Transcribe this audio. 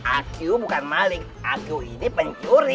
aku bukan maling aku ini pencuri